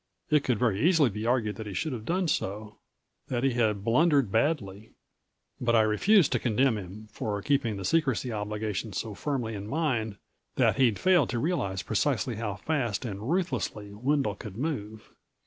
It could very easily be argued that he should have done so ... that he had blundered badly. But I refused to condemn him for keeping the secrecy obligation so firmly in mind that he'd failed to realize precisely how fast and ruthlessly Wendel could move.